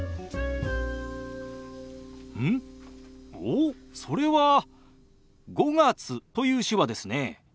おおそれは「５月」という手話ですね。